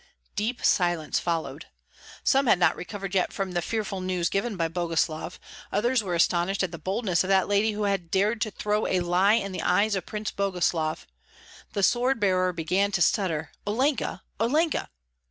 Deep silence followed. Some had not recovered yet from the fearful news given by Boguslav; others were astonished at the boldness of that lady who had dared to throw a lie in the eyes of Prince Boguslav; the sword bearer began to stutter, "Olenka! Olenka!"